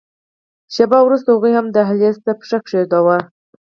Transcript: شېبه وروسته هغوی هم دهلېز ته پښه کېښوده.